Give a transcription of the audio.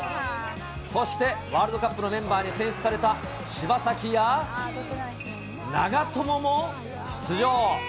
そしてワールドカップのメンバーに選出された柴崎や、長友も出場。